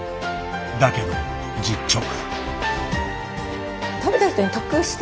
だけど実直。